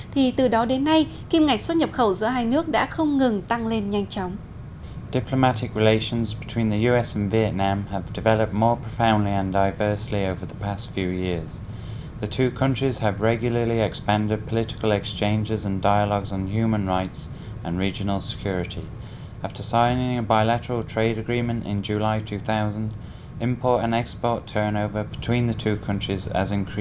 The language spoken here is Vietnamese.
thì từ đó đến nay kim ngạch xuất nhập khẩu giữa hai nước đã không ngừng tăng lên nhanh chóng